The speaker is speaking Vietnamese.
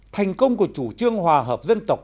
thành công của chủ trương hòa hợp dân tộc